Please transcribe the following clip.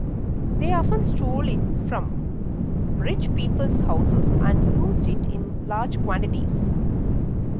They often stole it from rich people's houses, and used it in large quantities.